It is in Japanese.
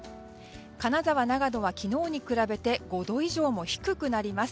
金沢、長野は昨日に比べて５度以上も低くなります。